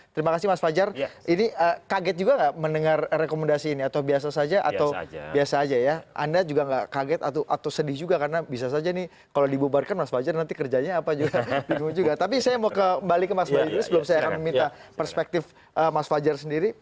terima kasih juga tapi saya mau kembali ke mas bayu dulu sebelum saya akan meminta perspektif mas fajar sendiri